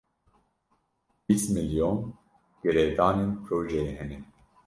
Bîst milyon girêdanên projeyê hene.